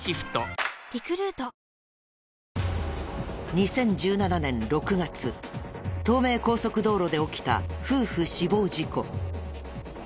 ２０１７年６月東名高速道路で起きた夫婦死亡事故。